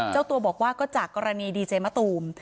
เจ้าตัวบอกว่าก็จากกรณีดีเจมะตูม